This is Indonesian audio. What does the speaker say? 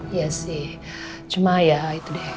iya sih cuma ya itu deh